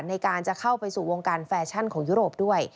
ในการจะเข้าไปสู่วงการแฟชั่นของยุโรปด้วย